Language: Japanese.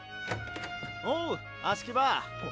・おう葦木場。